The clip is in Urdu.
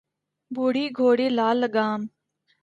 بوڑھی گھوڑی لال لگام